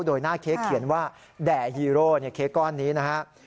โดยหน้าเค้กเขียนว่าแด่ฮีโร่เค้กก้อนนี้นะครับ